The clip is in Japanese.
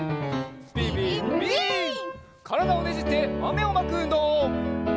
からだをねじってまめをまくうんどう！